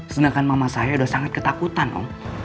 sedangkan mama saya sudah sangat ketakutan om